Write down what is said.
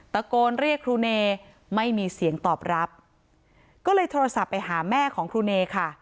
ตะโกนเรียกครูเนไม่มีเสียงตอบรับก็เลยโทรศัพท์ไปหาแม่ของครูเนค่ะ